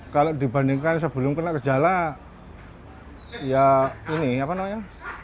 kalau dibandingkan sebelum kena gejala ya ini apa namanya